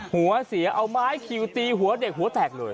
หัวเสียเอาไม้คิวตีหัวเด็กหัวแตกเลย